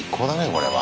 これは。